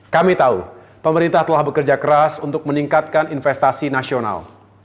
kami tahu pemerintah telah bekerja keras untuk meningkatkan investasi nasional